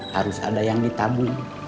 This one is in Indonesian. harus ada yang ditabung